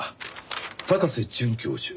高瀬准教授。